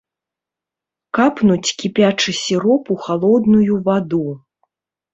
Капнуць кіпячы сіроп ў халодную ваду.